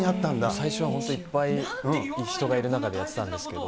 最初は本当、いっぱい人がいる中でやってたんですけど。